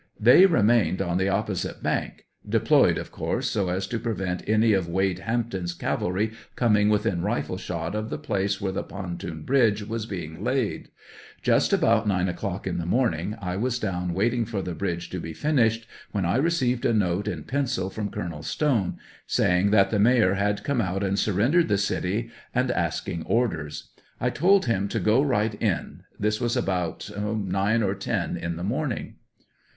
They remained on the opposite bank ; deployed, of course, so as to prevent any of Wade Hampton's cavalry coming within rifle shot of the place where the pontoon bridge was being laid;, just about nine o'clock in the morning I was down wailing for that bridge to be finished, when I received a note in pencil from Colonel Stone, saying that the mayor had come out and surrendered the city, and asking orders ; I told him to go right in ; this was about nine or ten in the morning.